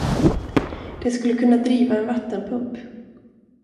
Det skulle kunna driva en vattenpump.